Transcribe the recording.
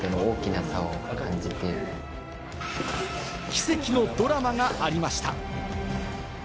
奇跡のドラマがありました。